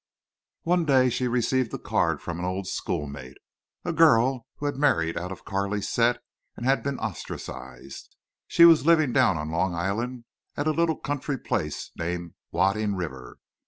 One day she received a card from an old schoolmate, a girl who had married out of Carley's set, and had been ostracized. She was living down on Long Island, at a little country place named Wading River.